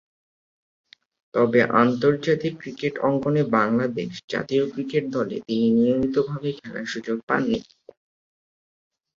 তবে, আন্তর্জাতিক ক্রিকেট অঙ্গনে বাংলাদেশ জাতীয় ক্রিকেট দলে তিনি নিয়মিতভাবে খেলার সুযোগ পাননি।